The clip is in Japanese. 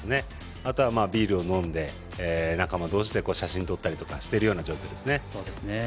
あとは、ビールを飲んで仲間同士で写真撮ったりしてるような状態ですね。